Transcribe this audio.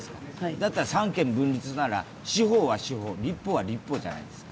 だったら三権分立なら司法は司法、立法は立法じゃないですか。